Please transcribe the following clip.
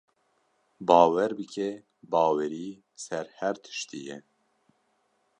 Bawer bike, bawerî ser her tiştî ye.